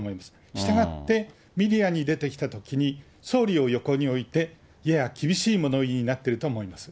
したがってメディアに出てきたときに、総理を横に置いて、やや厳しい物言いになってると思います。